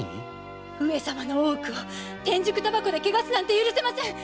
上様の大奥を天竺煙草で汚すなんて許せません！